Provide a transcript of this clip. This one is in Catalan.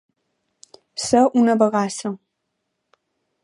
Ser una bagassa.